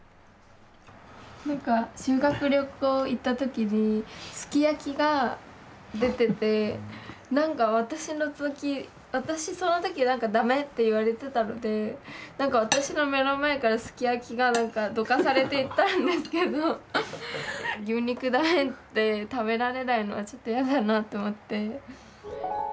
何か修学旅行行った時にすき焼きが出てて何か私その時駄目って言われてたので私の目の前からすき焼きがどかされていったんですけど「牛肉駄目」って食べられないのはちょっと嫌だなと思って。